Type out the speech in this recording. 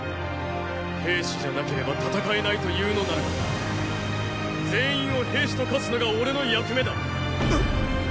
兵士じゃなければ戦えないというのならば全員を兵士と化すのが俺の役目だ。